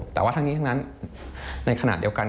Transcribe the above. แต่ว่าทั้งนี้ทั้งนั้นในขณะเดียวกัน